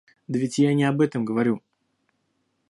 Да ведь я не об этом говорю